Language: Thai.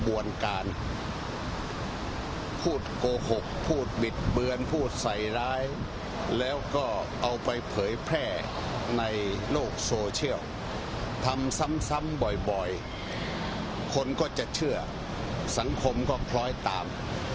วนการพูดโกหกพูดบิดเบือนพูดใส่ร้ายแล้วก็เอาไปเผยแพร่ในโลกโซเชียลทำซ้ำบ่อยคนก็จะเชื่อสังคมก็คล้อยตาม